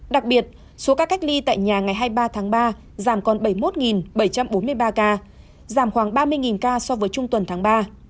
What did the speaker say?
đặc biệt số ca cách ly tại nhà ngày hai mươi ba tháng ba giảm còn bảy mươi một bảy trăm bốn mươi ba ca giảm khoảng ba mươi ca so với trung tuần tháng ba